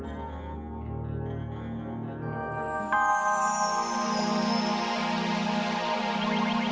di kais protect normalintens textbook konfigurasi